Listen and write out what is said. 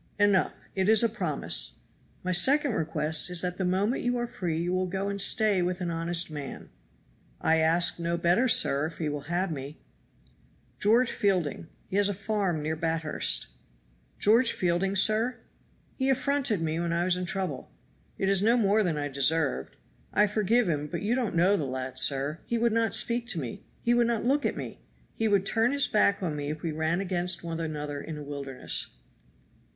"Enough, it is a promise. My second request is that the moment you are free you will go and stay with an honest man." "I ask no better, sir, if he will have me." "George Fielding; he has a farm near Bathurst." "George Fielding, sir? He affronted me when I was in trouble. It was no more than I deserved. I forgive him; but you don't know the lad, sir. He would not speak to me; he would not look at me. He would turn his back on me if we ran against one another in a wilderness."